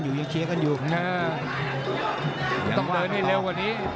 ต้องเดินให้เร็วกว่านี้